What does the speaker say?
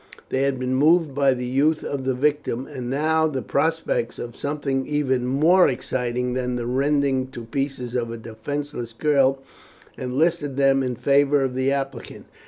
They had been moved by the youth of the victim, and now the prospects of something even more exciting than the rending to pieces of a defenceless girl enlisted them in favour of the applicant.